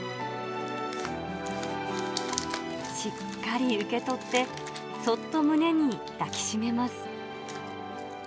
しっかり受け取って、そっと胸に抱きしめます。